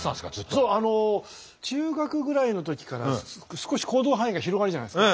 そうあの中学ぐらいの時から少し行動範囲が広がるじゃないですか。